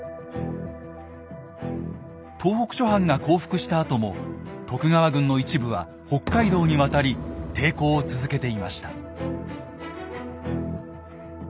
東北諸藩が降伏したあとも徳川軍の一部は北海道にわたり抵抗を続けていました。